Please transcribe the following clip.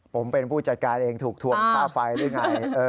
ผมเป็นผู้จัดการเองถูกทวงค่าไฟหรือไง